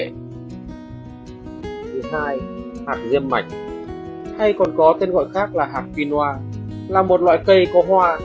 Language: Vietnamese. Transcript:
thứ hai hạt diêm mạch hay còn có tên gọi khác là hạt vinwa là một loại cây có hoa